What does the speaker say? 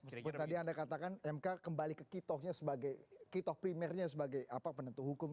seperti tadi anda katakan mk kembali ke kitohnya sebagai kitoh primernya sebagai penentu hukum